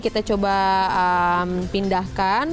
kita coba pindahkan